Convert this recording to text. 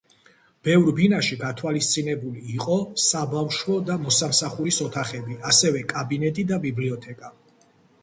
ბევრ ბინაში გათვალისწინებული იყო საბავშვო და მოსამსახურის ოთახები, ასევე კაბინეტი და ბიბლიოთეკა.